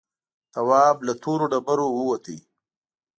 تواب له تورو ډبرو ووت.